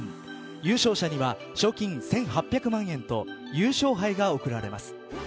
優勝者には賞金１８００万円と優勝杯が贈られます。